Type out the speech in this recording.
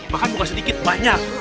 maka bukan sedikit banyak